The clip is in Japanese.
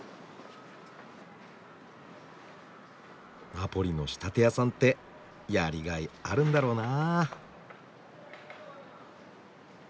ナポリの仕立て屋さんってやりがいあるんだろうな。